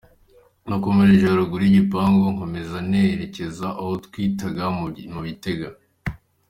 Nakomereje haruguru y’igipangu nkomeza nerekezaga aho twitaga mu Bitega.